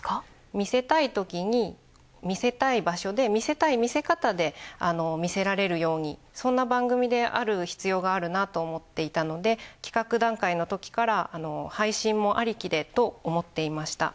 見せたいときに見せたい場所で見せたい見せ方で見せられるようにそんな番組である必要があるなと思っていたので企画段階のときから配信もありきでと思っていました。